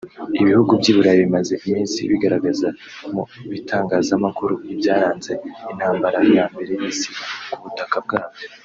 Ibihugu by’i Burayi bimaze iminsi bigaragaza mu bitangazamakuru ibyaranze Intambara ya Mbere y’Isi ku butaka bwabyo